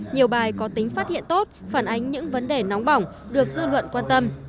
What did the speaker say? nhiều bài có tính phát hiện tốt phản ánh những vấn đề nóng bỏng được dư luận quan tâm